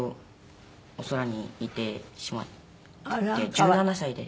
１７歳で。